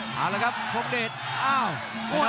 เอาเลยครับคนนองเดชอ้าวคนนองเดช